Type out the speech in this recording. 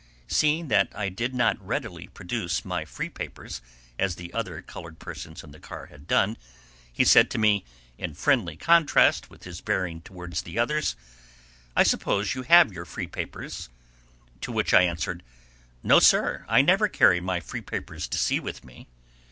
Seeing that I did not readily produce my free papers, as the other colored persons in the car had done, he said to me, in friendly contrast with his bearing toward the others: "I suppose you have your free papers?" To which I answered: "No sir; I never carry my free papers to sea with me."